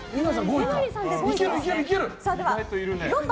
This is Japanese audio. えなりさん５位か。